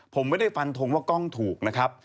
ผมไม่ได้ฟันทงว่ากล้องถูกนะครับ